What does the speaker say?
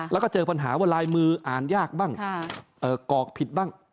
แล้วก็เจอปัญหาว่าลายมืออ่านยากบ้างกอกผิดบ้าง